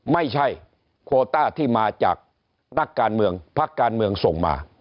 ไม่ใช่โคต้าที่มาจากนักการเมืองพักการเมืองส่งมา